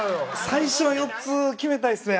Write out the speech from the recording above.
最初４つ決めたいですね！